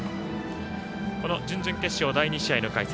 準々決勝、第２試合の解説